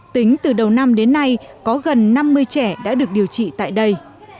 tính từ đầu năm đến nay có gần năm mươi trẻ đã được điều trị tại đây